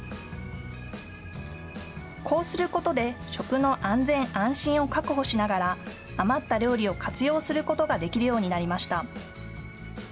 こうすることで食の安全安心を確保しながら余った料理を活用することができるようになりました。